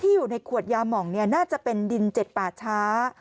อยู่ในขวดยาหม่องน่าจะเป็นดินเจ็ดป่าช้า